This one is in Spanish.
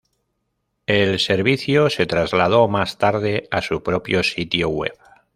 El servicio se trasladó más tarde a su propio sitio web.